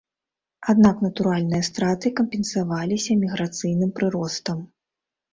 Аднак натуральныя страты кампенсаваліся міграцыйным прыростам.